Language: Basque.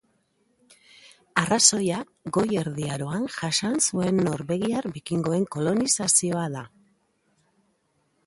Arrazoia Goi Erdi Aroan jasan zuen norvegiar bikingoen kolonizazioa da.